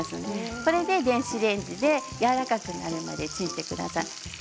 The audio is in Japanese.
これで電子レンジでやわらかくなるまでチンしてください。